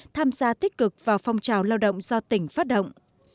tham gia tích cực vào phong trào lao động do tỉnh phát động